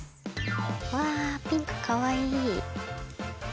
わあピンクかわいい。